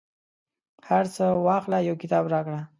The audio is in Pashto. هرڅه واخله، یو کتاب راکړه